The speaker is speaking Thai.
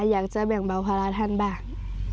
อยากจะแบ่งเบาภาระท่านบ้าง